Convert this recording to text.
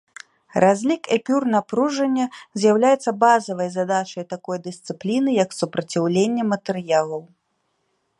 Разлік эпюр напружання з'яўляецца базавай задачай такой дысцыпліны, як супраціўленне матэрыялаў.